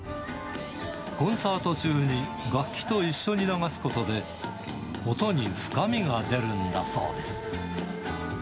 コンサート中に楽器と一緒に流すことで、音に深みが出るんだそうです。